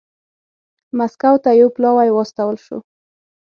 مسکو ته یو پلاوی واستول شو.